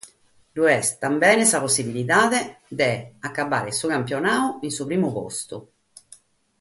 B'est ancora sa possibilidade de nch'acabbare su campionadu a su primu postu.